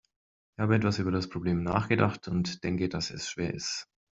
Ich habe etwas über das Problem nachgedacht und denke, dass es schwer ist.